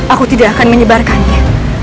aku tidak akan menyebarkannya